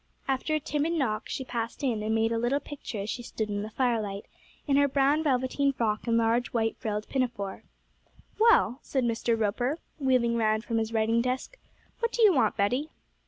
After a timid knock she passed in, and made a little picture as she stood in the firelight, in her brown velveteen frock and large white frilled pinafore. 'Well,' said Mr. Roper, wheeling round from his writing desk, 'what do you want, Betty?'